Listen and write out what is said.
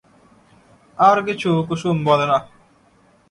আর কিছু কুসুম বলে না।